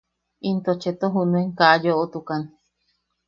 Into Cheto junuen ka yoʼotukan.